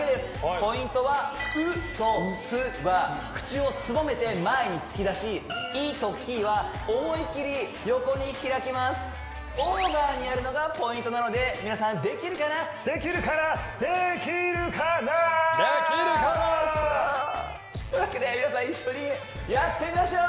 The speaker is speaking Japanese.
ポイントは「ウ」と「ス」は口をすぼめて前に突き出し「イ」と「キ」は思いきり横に開きますオーバーにやるのがポイントなので皆さんできるかなできるかなできるかなーできるかなーというわけで皆さん一緒にやってみましょう！